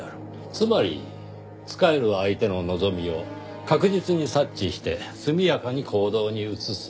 つまり仕える相手の望みを確実に察知して速やかに行動に移す。